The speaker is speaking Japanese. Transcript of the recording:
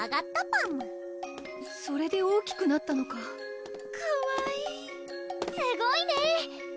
パムそれで大きくなったのかかわいいすごいね！